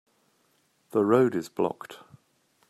The road is blocked.